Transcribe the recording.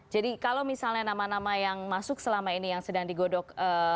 jadi kalau misalnya nama nama yang masuk selama ini yang sedang digodok